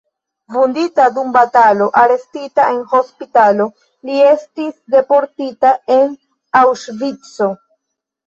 Vundita dum batalo, arestita en hospitalo, li estis deportita en Aŭŝvico.